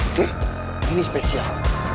oke ini spesial